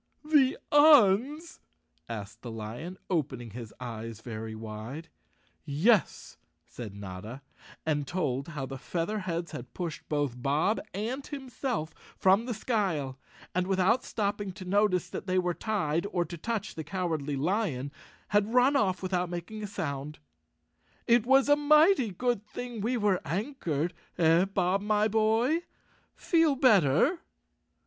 "The Uns?" asked the lion, opening his eyes very wide. "Yes," said Notta, and told how the Featherheads 158 Chapter Twelve had pushed both Bob and himself from the skyle and, without stopping to notice that they were tied or to touch the Cowardly Lion, had run off without making a sound. " It was a mighty good thing we were anchored, eh, Bob, my boy? Feel better?"